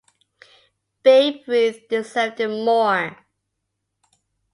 Babe Ruth deserved it more.